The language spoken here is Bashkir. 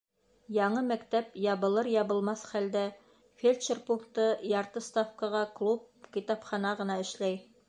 Яңы мәктәп ябылыр-ябылмаҫ хәлдә, фельдшер пункты, ярты ставкаға клуб, китапхана ғына эшләй.